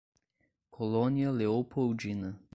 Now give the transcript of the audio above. Colônia Leopoldina